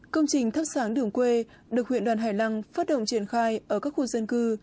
công trình thắp sáng đường quê được huyện đoàn hải lăng phát động triển khai ở các khu dân cư